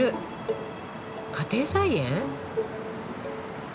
家庭菜園？